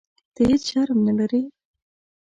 ته هیح شرم نه لرې.